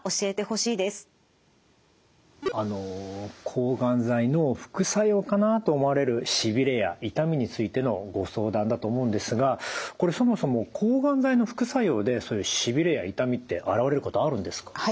抗がん剤の副作用かなと思われるしびれや痛みについてのご相談だと思うんですがこれそもそも抗がん剤の副作用でそういうしびれや痛みって現れることあるんですか？